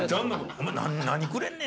「お前何くれんねん」